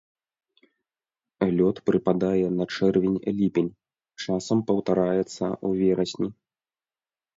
Лёт прыпадае на чэрвень-ліпень, часам паўтараецца ў верасні.